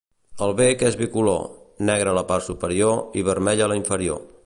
El bec és bicolor: negre a la part superior i vermell a la inferior.